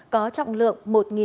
có trọng lượng một bốn trăm linh